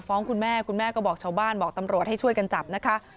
คุณแม่คุณแม่ก็บอกชาวบ้านบอกตำรวจให้ช่วยกันจับนะคะ